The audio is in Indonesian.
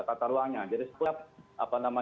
tata ruangnya jadi setiap apa nama